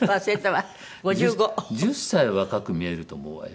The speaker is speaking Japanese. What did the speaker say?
１０歳若く見えると思うわよ。